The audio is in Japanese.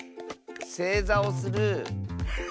せいざをする。